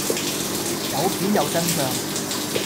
有片有真相